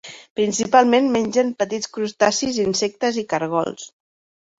Principalment, mengen petits crustacis, insectes i cargols.